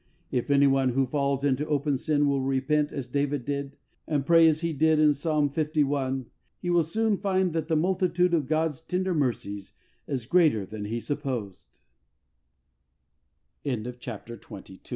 If anyone who falls into open sin will repent as David did, and pray as he did in Psalm li., he will soon find that the multitude of God's tender mercies is greater than he supposed. CHAPTER XXIII. E vilSpeaking.